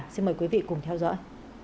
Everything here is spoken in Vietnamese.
xin mời quý vị cùng theo dõi